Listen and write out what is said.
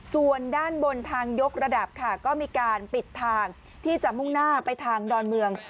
ส่วนด้านบนทางยกระดับค่ะก็มีการปิดทางที่จะมุ่งหน้าไปทางดอนเมือง